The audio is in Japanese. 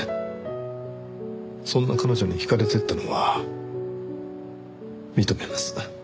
そんな彼女に惹かれていったのは認めます。